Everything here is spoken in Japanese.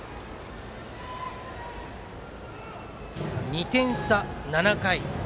２点差、７回。